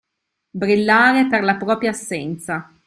Brillare per la propria assenza.